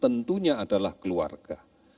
tentunya adalah keluarga